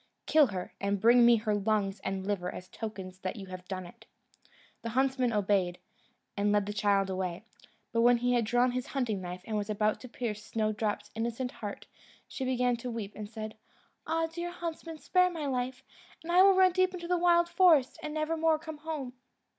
Kill her, and bring me her lungs and liver as tokens that you have done it." The huntsman obeyed, and led the child away; but when he had drawn his hunting knife, and was about to pierce Snowdrop's innocent heart, she began to weep, and said, "Ah! dear huntsman, spare my life, and I will run deep into the wild forest, and never more come home."